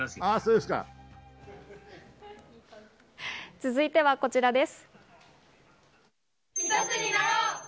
続いてはこちらです。